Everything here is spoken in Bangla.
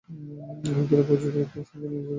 ইহুদীরা প্রযোজকও সঙ্গে নিয়ে গিয়েছিল।